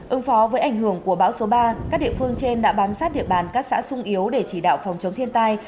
ứng phó với ảnh hưởng của bão số ba các địa phương trên đã bám sát địa bàn các xã sung yếu để chỉ đạo phòng chống thiên tai